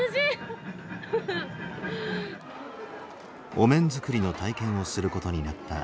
お面作りの体験をすることになったその時。